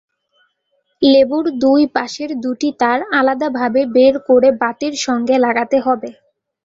লেবুর দুই পাশের দুটি তার আলাদাভাবে বের করে বাতির সঙ্গে লাগাতে হবে।